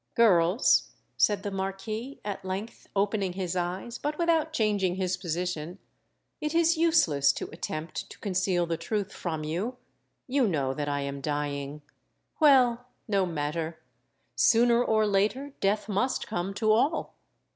"Girls," said the Marquis, at length opening his eyes, but without changing his position, "it is useless to attempt to conceal the truth from you: you know that I am dying! Well—no matter: sooner or later Death must come to all!